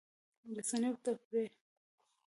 رسنۍ او تفریح